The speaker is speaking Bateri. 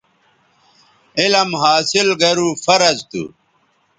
علم حاصل گرو فرض تھو